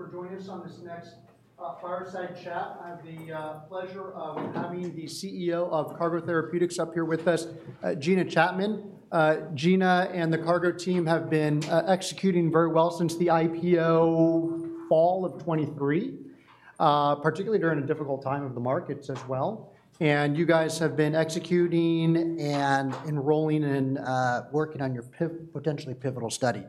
for joining us on this next fireside chat. I have the pleasure of having the CEO of Cargo Therapeutics up here with us, Gina Chapman. Gina and the Cargo team have been executing very well since the IPO fall of 2023, particularly during a difficult time of the markets as well. And you guys have been executing and enrolling and working on your potentially pivotal study.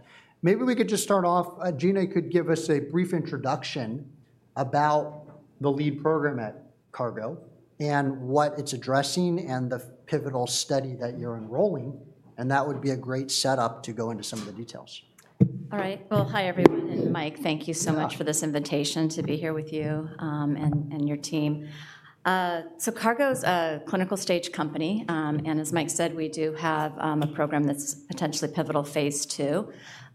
Maybe we could just start off, Gina could give us a brief introduction about the lead program at Cargo and what it's addressing and the pivotal study that you're enrolling, and that would be a great setup to go into some of the details. All right. Well, hi, everyone, and Mike, thank you so much- Yeah... for this invitation to be here with you, and your team. So Cargo's a clinical stage company, and as Mike said, we do have a program that's potentially pivotal phase II.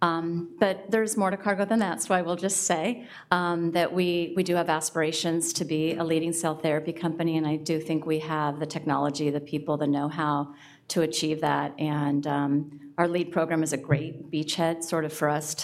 But there's more to Cargo than that, so I will just say that we do have aspirations to be a leading cell therapy company, and I do think we have the technology, the people, the know-how to achieve that. Our lead program is a great beachhead sort of for us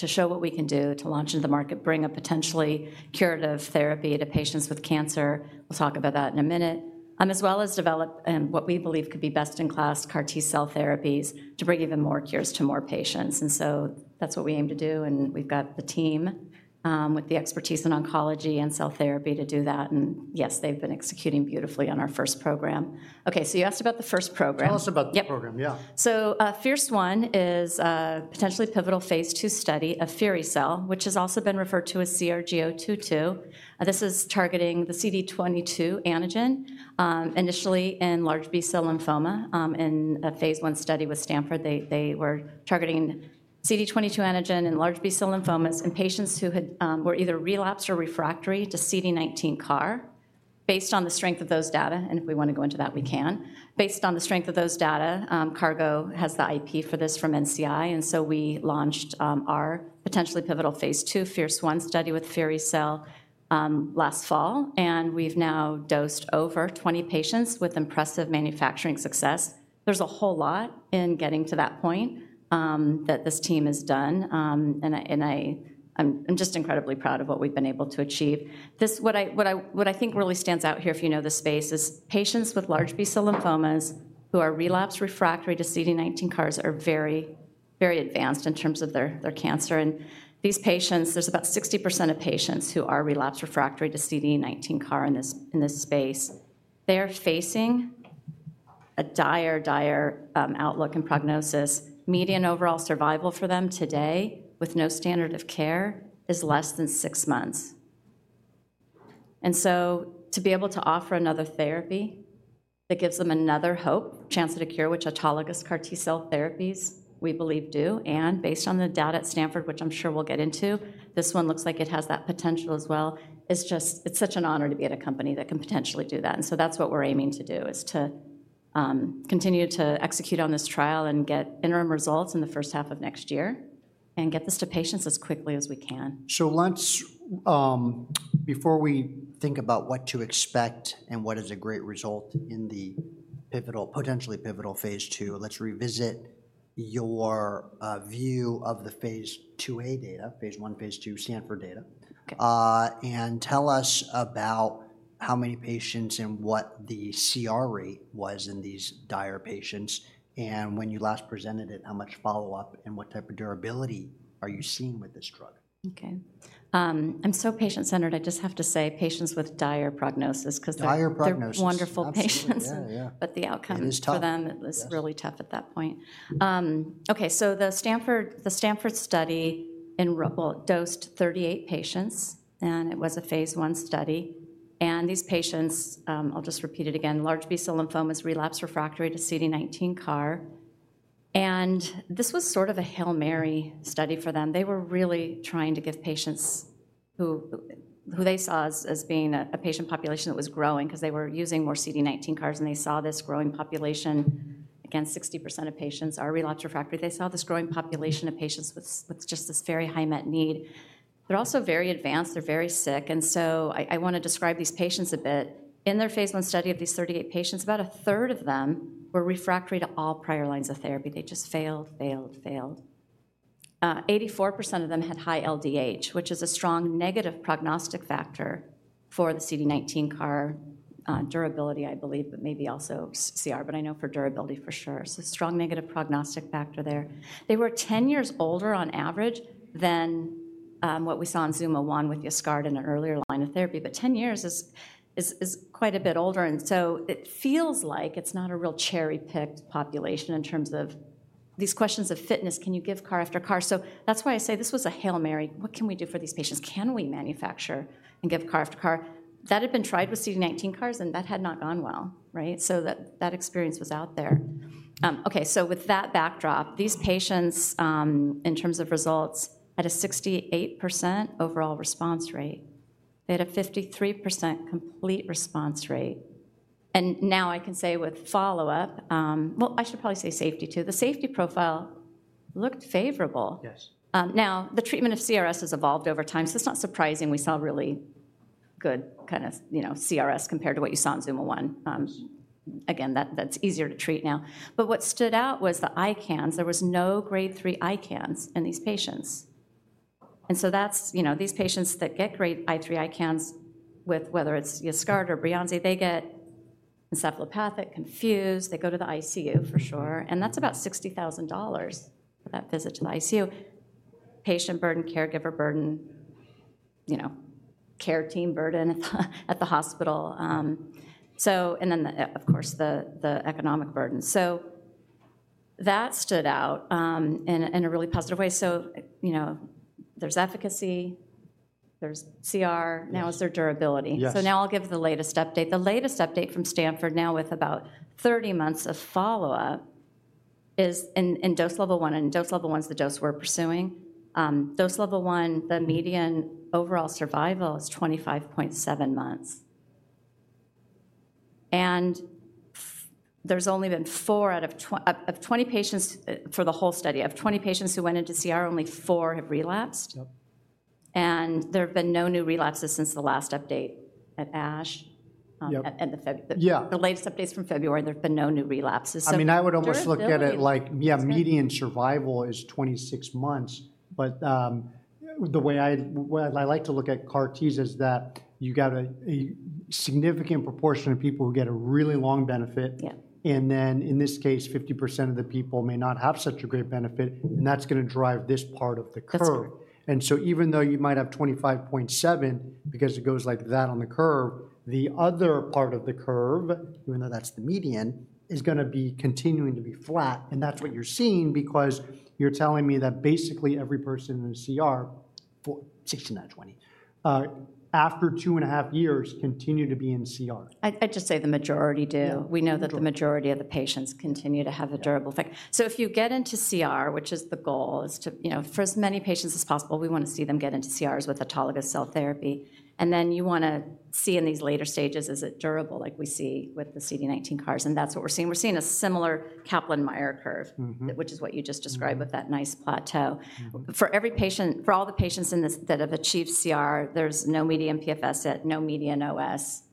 to show what we can do to launch into the market, bring a potentially curative therapy to patients with cancer. We'll talk about that in a minute. As well as develop and what we believe could be best-in-class CAR T-cell therapies to bring even more cures to more patients. And so that's what we aim to do, and we've got the team with the expertise in oncology and cell therapy to do that, and yes, they've been executing beautifully on our first program. Okay, so you asked about the first program. Tell us about the program. Yep. Yeah. FIRCE-1 is a potentially pivotal phase II study of firi-cel, which has also been referred to as CRG-022. This is targeting the CD22 antigen initially in large B-cell lymphoma. In a phase I study with Stanford, they were targeting CD22 antigen in large B-cell lymphomas in patients who were either relapsed or refractory to CD19 CAR. Based on the strength of those data, and if we want to go into that, we can, Cargo has the IP for this from NCI, and so we launched our potentially pivotal phase II FIRCE-1 study with firi-cel last fall, and we've now dosed over 20 patients with impressive manufacturing success. There's a whole lot in getting to that point that this team has done, and I'm just incredibly proud of what we've been able to achieve. What I think really stands out here, if you know this space, is patients with Large B-cell lymphomas who are relapsed/refractory to CD19 CARs are very, very advanced in terms of their cancer. And these patients, there's about 60% of patients who are relapsed/refractory to CD19 CAR in this space. They are facing a dire outlook and prognosis. Median overall survival for them today, with no standard of care, is less than six months. To be able to offer another therapy that gives them another hope, chance at a cure, which autologous CAR T-cell therapies, we believe do, and based on the data at Stanford, which I'm sure we'll get into, this one looks like it has that potential as well. It's just. It's such an honor to be at a company that can potentially do that, and so that's what we're aiming to do, is to continue to execute on this trial and get interim results in the first half of next year and get this to patients as quickly as we can. Let's, before we think about what to expect and what is a great result in the pivotal, potentially pivotal phase II, let's revisit your view of the phase II-A data, phase I, phase II Stanford data. Okay. And tell us about how many patients and what the CR rate was in these high-risk patients, and when you last presented it, how much follow-up and what type of durability are you seeing with this drug? Okay. I'm so patient-centered, I just have to say patients with dire prognosis, because they're- Dire prognosis. They're wonderful patients. Absolutely. Yeah, yeah. But the outcome- It is tough.... for them, it was- Yes... really tough at that point. Okay, so the Stanford study enrolled and dosed 38 patients, and it was a phase I study. These patients, I'll just repeat it again, large B-cell lymphomas, relapsed/refractory to CD19 CAR, and this was sort of a Hail Mary study for them. They were really trying to give patients who they saw as being a patient population that was growing because they were using more CD19 CARs, and they saw this growing population of patients with just this very high unmet need. They're also very advanced, they're very sick, and so I want to describe these patients a bit. In their phase I study of these 38 patients, about a third of them were refractory to all prior lines of therapy. They just failed, failed, failed. 84% of them had high LDH, which is a strong negative prognostic factor for the CD19 CAR durability, I believe, but maybe also CR, but I know for durability for sure. So strong negative prognostic factor there. They were 10 years older on average than what we saw in ZUMA-1 with Yescarta in an earlier line of therapy. But 10 years is quite a bit older, and so it feels like it's not a real cherry-picked population in terms of these questions of fitness. Can you give CAR after CAR? So that's why I say this was a Hail Mary. What can we do for these patients? Can we manufacture and give CAR after CAR? That had been tried with CD19 CARs, and that had not gone well, right? So that experience was out there. Okay, so with that backdrop, these patients, in terms of results, had a 68% overall response rate. They had a 53% complete response rate, and now I can say with follow-up... Well, I should probably say safety, too. The safety profile looked favorable. Yes. Now, the treatment of CRS has evolved over time, so it's not surprising we saw really good kind of, you know, CRS compared to what you saw in ZUMA-1. Again, that, that's easier to treat now. But what stood out was the ICANS. There was no grade three ICANS in these patients. And so that's, you know, these patients that get Grade 1, 3 ICANS with whether it's Yescarta or Breyanzi, they get encephalopathic, confused. They go to the ICU for sure, and that's about $60,000 for that visit to the ICU. Patient burden, caregiver burden, you know, care team burden, at the hospital, so and then the, of course, the economic burden. So that stood out in a really positive way. So, you know, there's efficacy, there's CR- Yes. Now, is there durability? Yes. So now I'll give the latest update. The latest update from Stanford, now with about 30 months of follow-up, is in dose level 1, and dose level 1's the dose we're pursuing. Dose level 1, the median overall survival is 25.7 months, and there's only been four out of 20 patients, for the whole study, out of 20 patients who went into CR, only four have relapsed. Yep. There have been no new relapses since the last update at ASH. Yep. at the Feb- Yeah. The latest update's from February, and there have been no new relapses, so. I mean, I would almost look at it like- Yeah. Yeah, median survival is 26 months. But the way I like to look at CAR Ts is that you got a significant proportion of people who get a really long benefit. Yeah. And then, in this case, 50% of the people may not have such a great benefit, and that's gonna drive this part of the curve. That's correct. And so even though you might have 25.7, because it goes like that on the curve, the other part of the curve, even though that's the median, is gonna be continuing to be flat. And that's what you're seeing because you're telling me that basically every person in CR, for 16 out of 20, after 2.5 years, continue to be in CR. I'd just say the majority do. Yeah, majority. We know that the majority of the patients continue to have a durable effect. Yeah. So if you get into CR, which is the goal, is to, you know, for as many patients as possible, we wanna see them get into CRs with autologous cell therapy. And then you wanna see in these later stages, is it durable, like we see with the CD19 CARs? And that's what we're seeing. We're seeing a similar Kaplan-Meier curve- Mm-hmm... which is what you just described with that nice plateau. Mm. For every patient, for all the patients in this that have achieved CR, there's no median PFS yet, no median OS.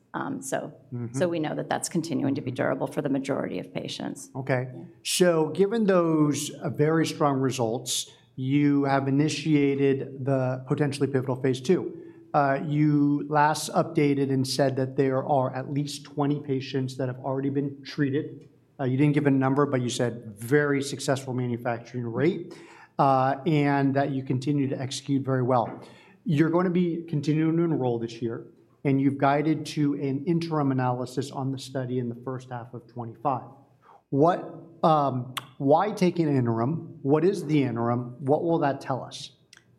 So- Mm-hmm... so we know that that's continuing to be durable for the majority of patients. Okay. Yeah. So given those very strong results, you have initiated the potentially pivotal phase II. You last updated and said that there are at least 20 patients that have already been treated. You didn't give a number, but you said very successful manufacturing rate, and that you continue to execute very well. You're going to be continuing to enroll this year, and you've guided to an interim analysis on the study in the first half of 2025. What, why take an interim? What is the interim? What will that tell us?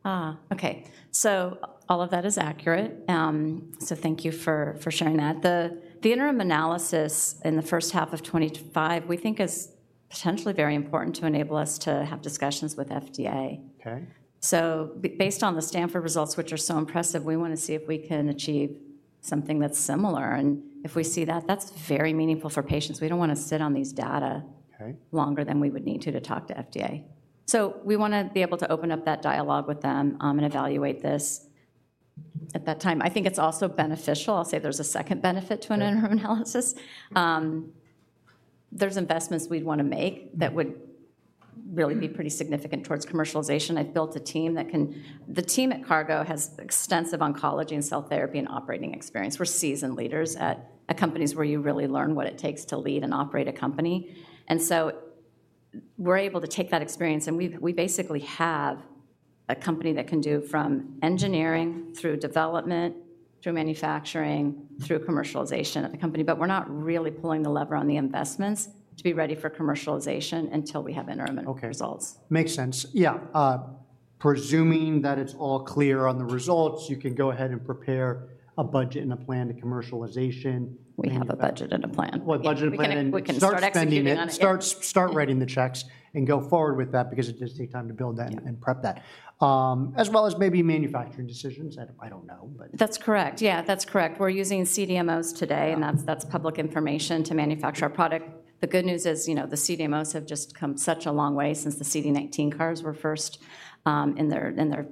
Ah, okay. So all of that is accurate. So thank you for sharing that. The interim analysis in the first half of 2025 we think is potentially very important to enable us to have discussions with FDA. Okay. So based on the Stanford results, which are so impressive, we wanna see if we can achieve something that's similar, and if we see that, that's very meaningful for patients. We don't wanna sit on these data- Okay... longer than we would need to, to talk to FDA. So we wanna be able to open up that dialogue with them, and evaluate this at that time. I think it's also beneficial. I'll say there's a second benefit to an interim analysis. There's investments we'd wanna make that would really be pretty significant towards commercialization. The team at Cargo has extensive oncology and cell therapy and operating experience. We're seasoned leaders at companies where you really learn what it takes to lead and operate a company. And so we're able to take that experience, and we basically have a company that can do from engineering through development, through manufacturing, through commercialization of the company. But we're not really pulling the lever on the investments to be ready for commercialization until we have interim results. Okay. Makes sense. Yeah, presuming that it's all clear on the results, you can go ahead and prepare a budget and a plan to commercialization. We have a budget and a plan. Well, a budget and plan- We can, we can start executing on it.... start spending it. Start writing the checks and go forward with that because it does take time to build that. Yeah... and prep that. As well as maybe manufacturing decisions. I don't know, but- That's correct. Yeah, that's correct. We're using CDMOs today, and that's- Uh-... that's public information, to manufacture our product. The good news is, you know, the CDMOs have just come such a long way since the CD19 CARs were first in their, in their,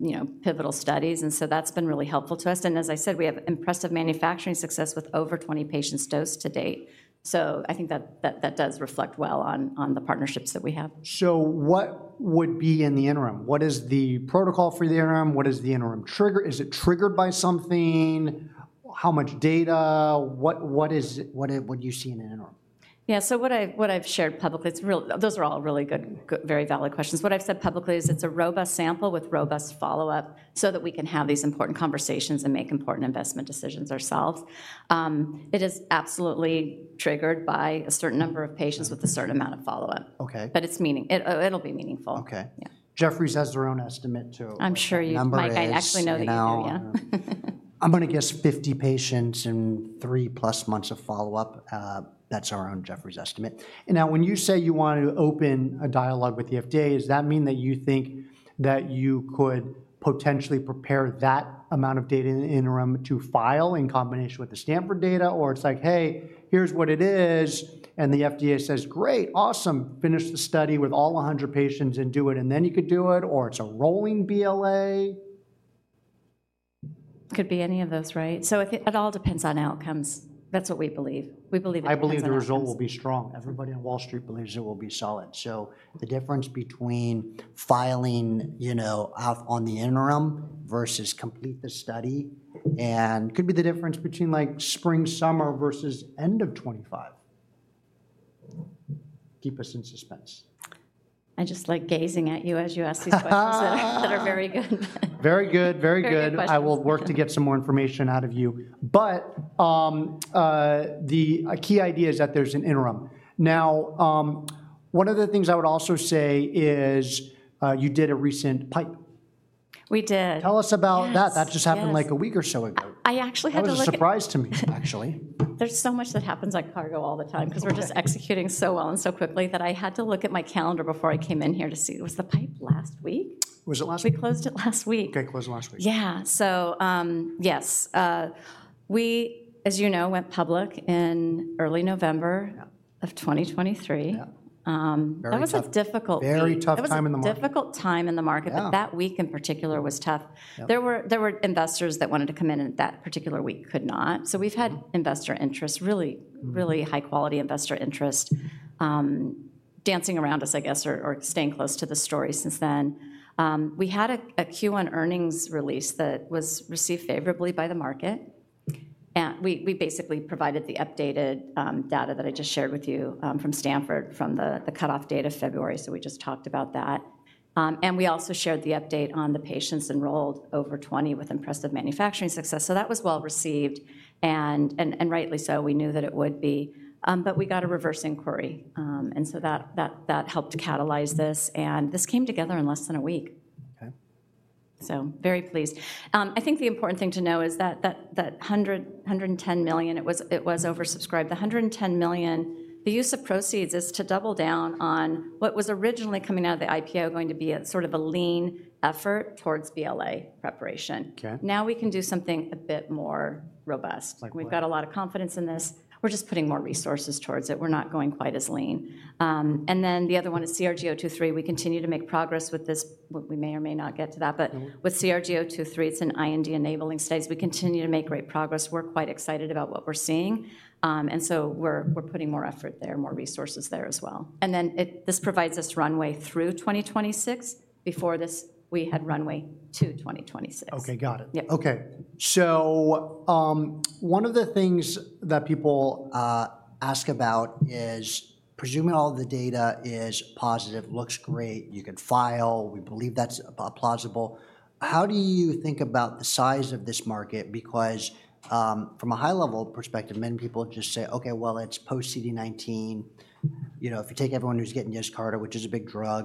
you know, pivotal studies, and so that's been really helpful to us. And as I said, we have impressive manufacturing success with over 20 patients dosed to date. So I think that does reflect well on the partnerships that we have. So what would be in the interim? What is the protocol for the interim? What is the interim trigger? Is it triggered by something? How much data? What do you see in an interim? Yeah, so what I've shared publicly, it's real, those are all really good, very valid questions. What I've said publicly is it's a robust sample with robust follow-up so that we can have these important conversations and make important investment decisions ourselves. It is absolutely triggered by a certain number of patients with a certain amount of follow-up. Okay. But it'll be meaningful. Okay. Yeah. Jefferies has their own estimate, too. I'm sure you- Number is- I actually know that you do, yeah. Now, I'm gonna guess 50 patients and three plus months of follow-up. That's our own Jefferies estimate. And now, when you say you want to open a dialogue with the FDA, does that mean that you think that you could potentially prepare that amount of data in the interim to file in combination with the Stanford data? Or it's like, "Hey, here's what it is," and the FDA says, "Great, awesome, finish the study with all 100 patients and do it, and then you could do it," or it's a rolling BLA?... Could be any of those, right? So it all depends on outcomes. That's what we believe. We believe it depends on outcomes. I believe the result will be strong. Everybody on Wall Street believes it will be solid. So the difference between filing, you know, off on the interim versus complete the study, and could be the difference between, like, spring, summer, versus end of 2025. Keep us in suspense. I just like gazing at you as you ask these questions that are very good. Very good. Very good. Very good questions. I will work to get some more information out of you. But the key idea is that there's an interim. Now, one of the things I would also say is, you did a recent PIPE. We did. Tell us about that. Yes, yes. That just happened, like, a week or so ago. I actually had to look at- That was a surprise to me, actually. There's so much that happens at Cargo all the time- Okay... 'cause we're just executing so well and so quickly, that I had to look at my calendar before I came in here to see. Was the PIPE last week? Was it last week? We closed it last week. Okay, closed it last week. Yeah. So, yes, we, as you know, went public in early November- Yeah... of 2023. Yeah. Um- Very tough- That was a difficult week. Very tough time in the market. That was a difficult time in the market- Yeah... but that week, in particular, was tough. Yeah. There were investors that wanted to come in at that particular week, could not. Mm. So we've had investor interest, really- Mm... really high quality investor interest, dancing around us, I guess, or staying close to the story since then. We had a Q1 earnings release that was received favorably by the market, and we basically provided the updated data that I just shared with you from Stanford, from the cutoff date of February, so we just talked about that. And we also shared the update on the patients enrolled over 20 with impressive manufacturing success, so that was well-received and rightly so. We knew that it would be. But we got a reverse inquiry, and so that helped to catalyze this, and this came together in less than a week. Okay. Very pleased. I think the important thing to know is that $110 million, it was oversubscribed. The $110 million, the use of proceeds is to double down on what was originally coming out of the IPO, going to be a sort of a lean effort towards BLA preparation. Okay. Now we can do something a bit more robust. Like what? We've got a lot of confidence in this. We're just putting more resources towards it. We're not going quite as lean. And then the other one is CRG-023. We continue to make progress with this... Well, we may or may not get to that, but- Mm... with CRG-023, it's an IND-enabling studies. We continue to make great progress. We're quite excited about what we're seeing, and so we're putting more effort there, more resources there as well. And then this provides us runway through 2026. Before this, we had runway to 2026. Okay, got it. Yep. Okay. So, one of the things that people ask about is, presuming all the data is positive, looks great, you can file, we believe that's plausible, how do you think about the size of this market? Because, from a high-level perspective, many people just say, "Okay, well, it's post-CD19." You know, if you take everyone who's getting Yescarta, which is a big drug,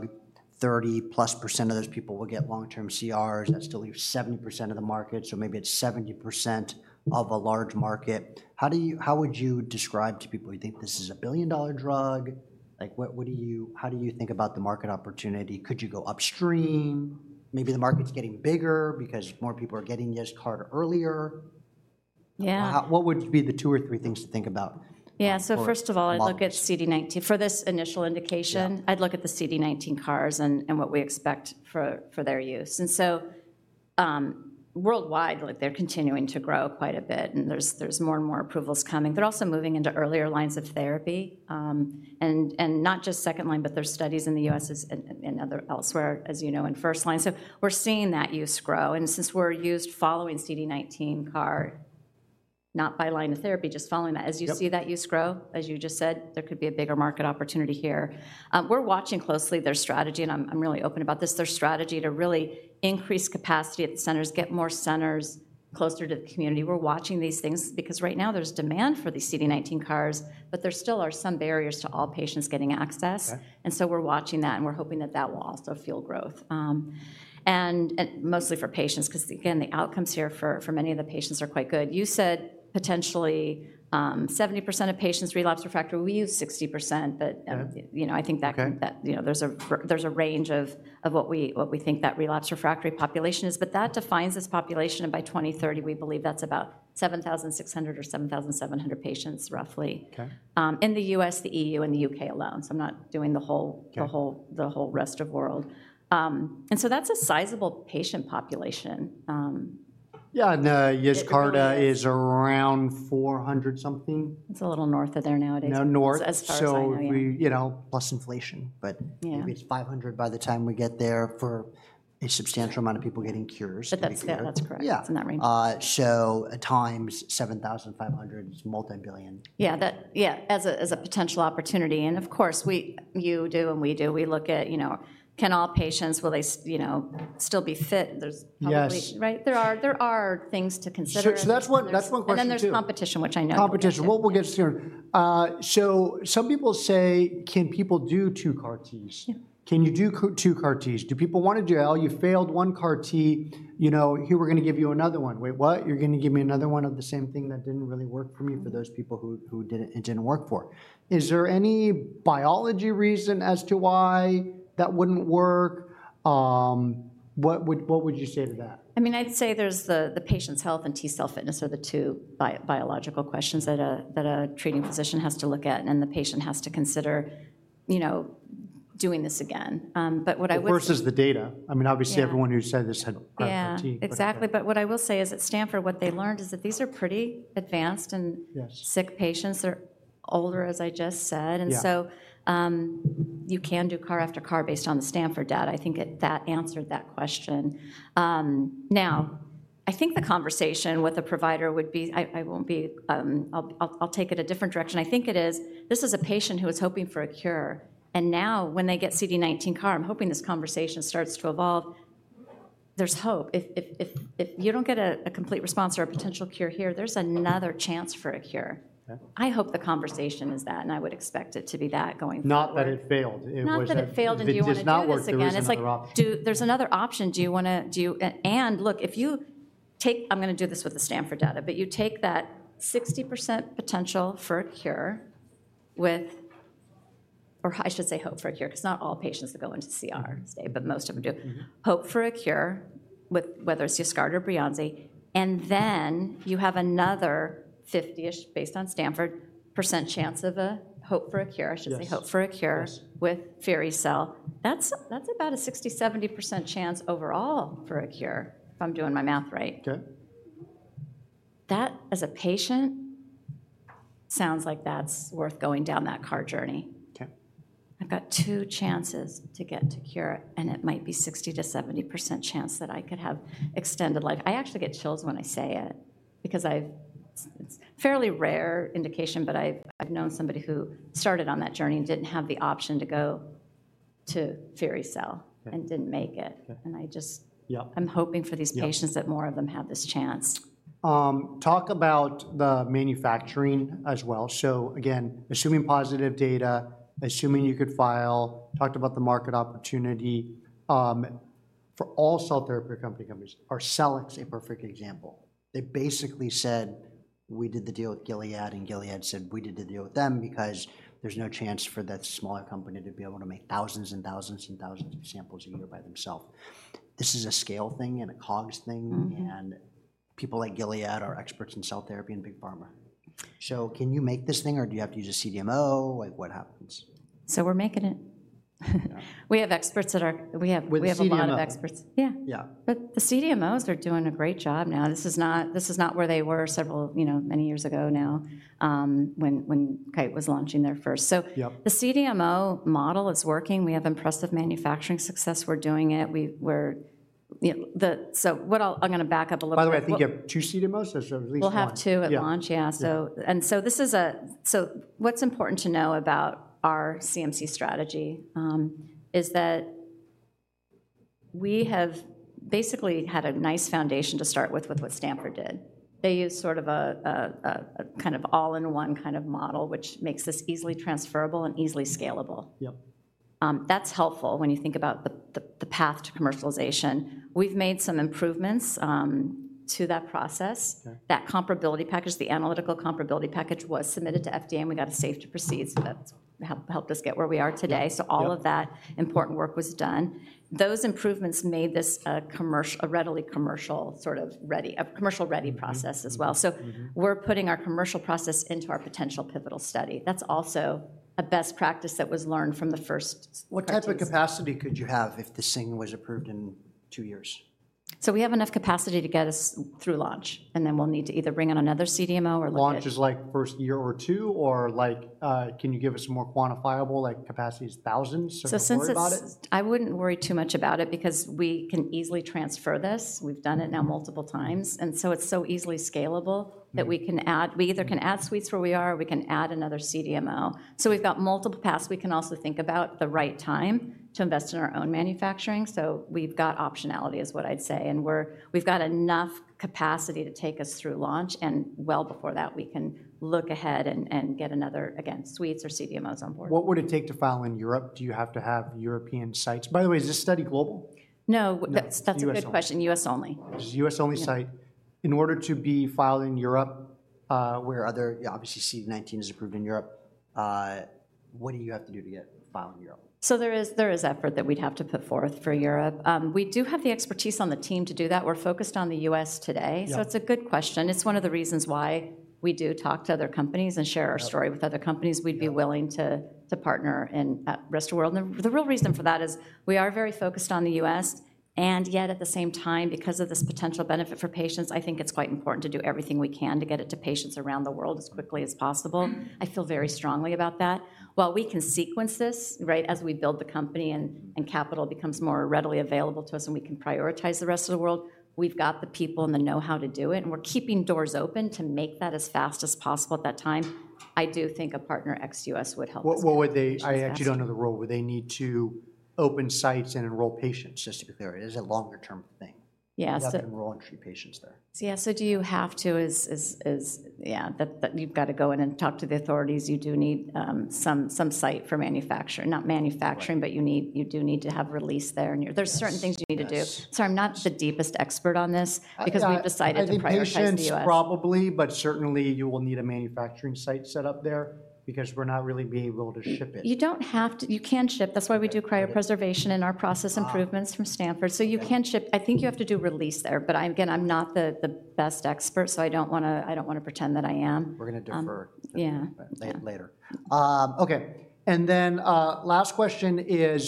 30%+ of those people will get long-term CRs. That still leaves 70% of the market, so maybe it's 70% of a large market. How do you, how would you describe to people? You think this is a billion-dollar drug? Like, what, what do you... How do you think about the market opportunity? Could you go upstream? Maybe the market's getting bigger because more people are getting Yescarta earlier. Yeah. What would be the two or three things to think about? Yeah... for volumes? So first of all, I'd look at CD19. For this initial indication- Yeah... I'd look at the CD19 CARs and what we expect for their use. And so, worldwide, like, they're continuing to grow quite a bit, and there's more and more approvals coming. They're also moving into earlier lines of therapy, and not just second line, but there's studies in the U.S. and elsewhere, as you know, in first line. So we're seeing that use grow, and since we're used following CD19 CAR, not by line of therapy, just following that- Yep... as you see that use grow, as you just said, there could be a bigger market opportunity here. We're watching closely their strategy, and I'm, I'm really open about this. Their strategy to really increase capacity at the centers, get more centers closer to the community. We're watching these things because right now there's demand for these CD19 CARs, but there still are some barriers to all patients getting access. Okay. So we're watching that, and we're hoping that that will also fuel growth. And mostly for patients, 'cause again, the outcomes here for many of the patients are quite good. You said potentially 70% of patients relapse or refractory. We use 60%, but- Okay... you know, I think that- Okay... that, you know, there's a range of what we think that relapsed/refractory population is. Okay. But that defines this population, and by 2030, we believe that's about 7,600 or 7,700 patients, roughly- Okay... in the U.S., the EU, and the U.K. alone, so I'm not doing the whole- Okay... the whole rest of the world. And so that's a sizable patient population. Yeah, and the Yescarta- It, um-... is around 400 something. It's a little north of there nowadays. No, north. As far as I know, yeah. So we, you know, plus inflation, but- Yeah... maybe it's 500 by the time we get there for a substantial amount of people getting cures. But that's, yeah. Yeah... that's correct. Yeah. It's in that range. So times 7,500, it's $multi-billion. Yeah, that yeah, as a, as a potential opportunity, and of course, we, you do, and we do, we look at, you know, can all patients, will they you know, still be fit? There's probably- Yes. Right? There are, there are things to consider. That's one, that's one question, too. There's competition, which I know. Competition. Well, we'll get to soon. So some people say: Can people do two CAR Ts? Yeah. Can you do two CAR Ts? Do people wanna do... "Oh, you failed one CAR T, you know, here, we're gonna give you another one." "Wait, what? You're gonna give me another one of the same thing that didn't really work for me?" For those people who, who did it, it didn't work for. Is there any biology reason as to why that wouldn't work? What would, what would you say to that? I mean, I'd say there's the patient's health and T-cell fitness are the two biological questions that a treating physician has to look at, and the patient has to consider. You know, doing this again. But what I would say- But versus the data. I mean, obviously- Yeah... everyone who said this had got fatigue. Yeah, exactly. But what I will say is at Stanford, what they learned is that these are pretty advanced and- Yes... sick patients. They're older, as I just said. Yeah. And so, you can do CAR after CAR based on the Stanford data. I think that answered that question. Now, I think the conversation with the provider would be... I won't be—I'll take it a different direction. I think it is, this is a patient who is hoping for a cure, and now when they get CD19 CAR, I'm hoping this conversation starts to evolve. There's hope. If you don't get a complete response or a potential cure here, there's another chance for a cure. Yeah. I hope the conversation is that, and I would expect it to be that going forward. Not that it failed. It was a- Not that it failed, and do you want to do this again? If it does not work, there is another option. It's like, there's another option. Do you wanna, do you... And look, if you take—I'm gonna do this with the Stanford data, but you take that 60% potential for a cure with... Or I should say hope for a cure, because not all patients that go into CR stay, but most of them do. Mm-hmm. Hope for a cure, with whether it's Yescarta or Breyanzi, and then you have another 50-ish, based on Stanford, percent chance of a hope for a cure. Yes. I should say hope for a cure- Yes... with firi-cel. That's, that's about a 60%-70% chance overall for a cure, if I'm doing my math right. Okay. That, as a patient, sounds like that's worth going down that CAR journey. Okay. I've got two chances to get to cure, and it might be 60%-70% chance that I could have extended life. I actually get chills when I say it, because I've... It's fairly rare indication, but I've, I've known somebody who started on that journey and didn't have the option to go to firi-cel- Okay... and didn't make it. Okay. And I just- Yeah... I'm hoping for these patients- Yeah... that more of them have this chance. Talk about the manufacturing as well. So again, assuming positive data, assuming you could file, talked about the market opportunity, for all cell therapy companies, Arcellx is a perfect example. They basically said, "We did the deal with Gilead," and Gilead said, "We did the deal with them," because there's no chance for that smaller company to be able to make thousands and thousands and thousands of samples a year by themself. This is a scale thing and a COGS thing- Mm-hmm... and people like Gilead are experts in cell therapy and big pharma. So can you make this thing, or do you have to use a CDMO? Like, what happens? We're making it. Yeah. We have experts that are... We have... With CDMO. We have a lot of experts. Yeah. Yeah. But the CDMOs are doing a great job now. This is not, this is not where they were several, you know, many years ago now, when Kite was launching their first. So- Yep... the CDMO model is working. We have impressive manufacturing success. We're doing it. We're, you know, the... So what I'm gonna back up a little bit. By the way, I think you have two CDMOs, or at least one? We'll have two at launch. Yeah. Yeah. So, and so this is a... So what's important to know about our CMC strategy is that we have basically had a nice foundation to start with, with what Stanford did. They used sort of a kind of all-in-one kind of model, which makes this easily transferable and easily scalable. Yep. That's helpful when you think about the path to commercialization. We've made some improvements to that process. Okay. That comparability package, the analytical comparability package, was submitted to FDA, and we got a safe to proceed, so that's helped us get where we are today. Yep. So all of that important work was done. Those improvements made this a commercial—a readily commercial, sort of, ready, commercial-ready process as well. Mm-hmm, mm-hmm. So we're putting our commercial process into our potential pivotal study. That's also a best practice that was learned from the first practice. What type of capacity could you have if firi-cel was approved in two years? We have enough capacity to get us through launch, and then we'll need to either bring on another CDMO or look at- Launch is, like, first year or two, or like, can you give us more quantifiable, like, capacity is thousands, so we're not worried about it? So since it's, I wouldn't worry too much about it because we can easily transfer this. We've done it now multiple times, and so it's so easily scalable- Yeah... that we can add, we either can add suites where we are, or we can add another CDMO. So we've got multiple paths. We can also think about the right time to invest in our own manufacturing. So we've got optionality, is what I'd say, and we're—we've got enough capacity to take us through launch, and well before that, we can look ahead and get another, again, suites or CDMOs on board. What would it take to file in Europe? Do you have to have European sites? By the way, is this study global? No. No. That's, that's a good question. U.S. only. U.S. only. It's a U.S.-only site. Yeah. In order to be filed in Europe, where other, obviously, CD19 is approved in Europe, what do you have to do to get filed in Europe? So there is effort that we'd have to put forth for Europe. We do have the expertise on the team to do that. We're focused on the U.S. today. Yeah. So it's a good question. It's one of the reasons why we do talk to other companies and share our story- Yeah... with other companies. Yeah. We'd be willing to partner in rest of the world. The real reason for that is we are very focused on the U.S., and yet, at the same time, because of this potential benefit for patients, I think it's quite important to do everything we can to get it to patients around the world as quickly as possible. I feel very strongly about that. While we can sequence this, right, as we build the company, and capital becomes more readily available to us, and we can prioritize the rest of the world, we've got the people and the know-how to do it, and we're keeping doors open to make that as fast as possible at that time. I do think a partner ex-U.S. would help us. What would they- Just asking. I actually don't know the role. Would they need to open sites and enroll patients, just to be clear? It is a longer-term thing. Yeah, so- You have to enroll and treat patients there. Yeah, do you have to... Yeah, that you've got to go in and talk to the authorities. You do need some site for manufacture, not manufacturing- Right... but you need, you do need to have release there, and you're- Yes. There's certain things you need to do. Yes. Sorry, I'm not the deepest expert on this- I, I-... because we've decided to prioritize the US. I think patients, probably, but certainly you will need a manufacturing site set up there because we're not really being able to ship it. You don't have to. You can ship. Okay. That's why we do cryopreservation in our process improvements- Ah... from Stanford, so you can ship. I think you have to do release there, but I'm, again, not the best expert, so I don't wanna pretend that I am. We're gonna defer. Um, yeah. Later. Okay, and then, last question is,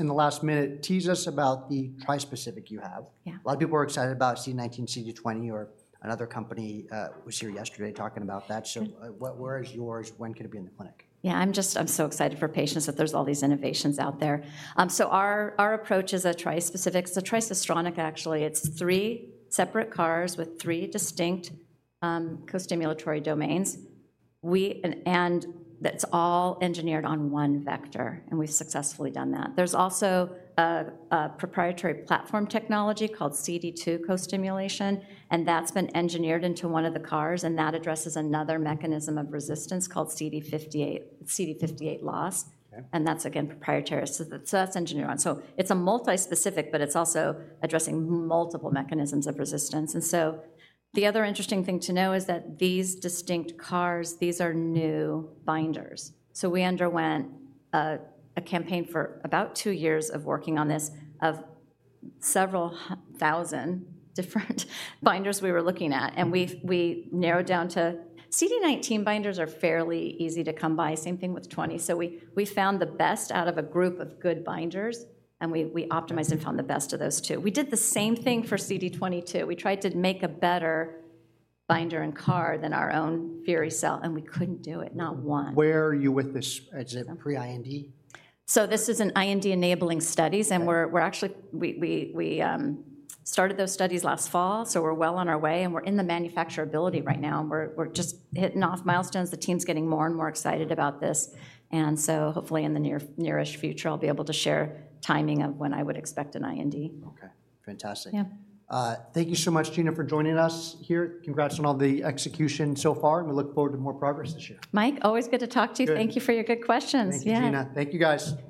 in the last minute, tease us about the tri-specific you have. Yeah. A lot of people are excited about CD19, CD22, or another company was here yesterday talking about that. Mm-hmm. What, where is yours? When could it be in the clinic? Yeah, I'm just, I'm so excited for patients that there's all these innovations out there. So our approach is a tri-specific, it's a tricistronic, actually. It's three separate CARs with three distinct co-stimulatory domains. And that's all engineered on one vector, and we've successfully done that. There's also a proprietary platform technology called CD2 co-stimulation, and that's been engineered into one of the CARs, and that addresses another mechanism of resistance called CD58 loss. Okay. And that's, again, proprietary, so that's engineered on. So it's a multi-specific, but it's also addressing multiple mechanisms of resistance. And so the other interesting thing to know is that these distinct CARs, these are new binders. So we underwent a campaign for about two years of working on this, of several thousand different binders we were looking at, and we've narrowed down to—CD19 binders are fairly easy to come by, same thing with 20. So we found the best out of a group of good binders, and we optimized- Mm-hmm. and found the best of those, too. We did the same thing for CD22. We tried to make a better binder and CAR than our own firi-cel, and we couldn't do it, not one. Where are you with this? Is it pre-IND? This is an IND-enabling studies- Okay. and we're actually... We started those studies last fall, so we're well on our way, and we're in the manufacturability right now, and we're just hitting off milestones. The team's getting more and more excited about this, and so hopefully in the nearest future, I'll be able to share timing of when I would expect an IND. Okay. Fantastic. Yeah. Thank you so much, Gina, for joining us here. Congrats on all the execution so far, and we look forward to more progress this year. Mike, always good to talk to you. Good. Thank you for your good questions. Yeah. Thank you, Gina. Thank you, guys.